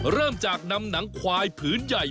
เริ่มจากนางควายพื้นใหญ่